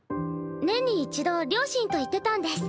年に一度両親と行ってたんです。